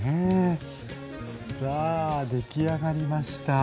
さあできあがりました。